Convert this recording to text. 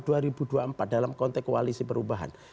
dalam konteks koalisi perubahan